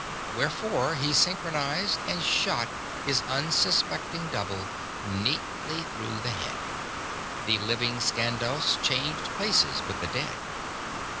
Wherefore he synchronized, and shot his unsuspecting double neatly through the head. The living Skandos changed places with the dead.